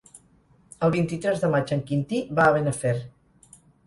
El vint-i-tres de maig en Quintí va a Benafer.